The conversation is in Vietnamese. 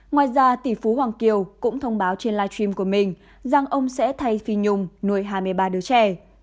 ngoài ra tỷ phú hoàng kiều cũng thông báo trên live stream của mình rằng ông sẽ thay phi nhung nuôi hai mươi ba đứa trẻ